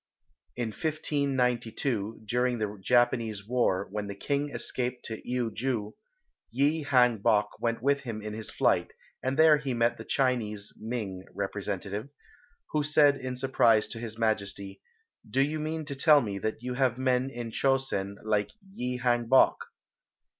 In 1592, during the Japanese War, when the King escaped to Eui ju, Yi Hang bok went with him in his flight, and there he met the Chinese (Ming) representative, who said in surprise to his Majesty, "Do you mean to tell me that you have men in Cho sen like Yi Hang bok?"